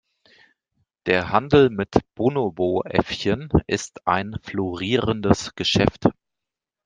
Der Handel mit Bonobo-Äffchen ist ein florierendes Geschäft.